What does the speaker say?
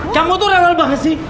kamu tuh rewel banget sih